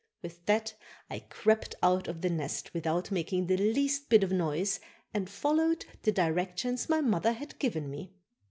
'" With that I crept out of the nest without making the least bit of noise and followed the directions my mother had given me.